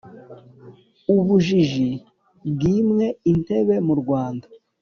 ubujiji bwimwe intebe mu rwanda